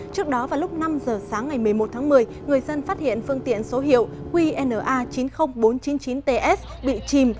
trước đó vào lúc năm giờ sáng ngày một mươi một tháng một mươi người dân phát hiện phương tiện số hiệu qna chín mươi nghìn bốn trăm chín mươi chín ts bị chìm